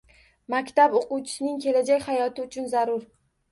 Maktab oʻquvchisining kelajak hayoti uchun zarur